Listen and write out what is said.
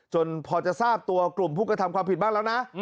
จนพอจะทราบตัวกลุ่มผู้กระทำความผิดบ้างแล้วนะ